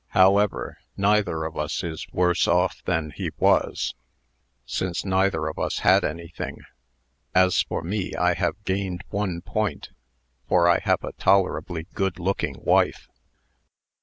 However, neither of us is worse off than he was, since neither of us had anything. As for me, I have gained one point, for I have a tolerably good looking wife." Mr.